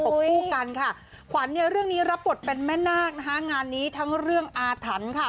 คู่กันค่ะขวัญเนี่ยเรื่องนี้รับบทเป็นแม่นาคนะคะงานนี้ทั้งเรื่องอาถรรพ์ค่ะ